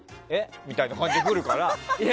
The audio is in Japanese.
みたいな感じで来るから。